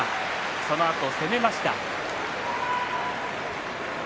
そのあと攻めました。